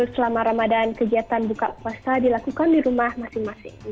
selama ramadan kegiatan buka puasa dilakukan di rumah masing masing